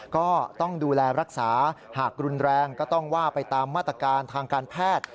ก็ต้องดูแลรักษาหากรุนแรงก็ต้องว่าไปตามมาตรการทางการแพทย์